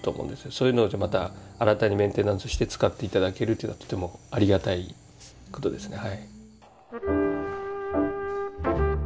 そういうのでまた新たにメンテナンスして使って頂けるというのはとてもありがたい事ですね。